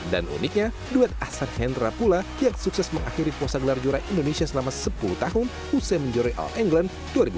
dan uniknya duet ahsan hendra pula yang sukses mengakhiri posa gelar juara indonesia selama sepuluh tahun usai menjuri all england dua ribu empat belas